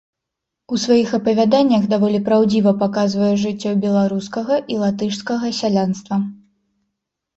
У сваіх апавяданнях даволі праўдзіва паказвае жыццё беларускага і латышскага сялянства.